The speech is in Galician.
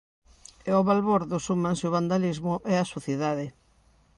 E ao balbordo súmanse o vandalismo e a sucidade.